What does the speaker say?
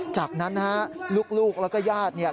จากนั้นลูกแล้วก็ญาติ